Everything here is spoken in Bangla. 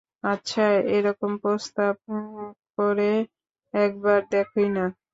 আচ্ছা, এরকম প্রস্তাব করে একবার দেখোই-না!